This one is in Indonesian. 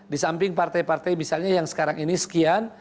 di samping partai partai misalnya yang sekarang ini sekian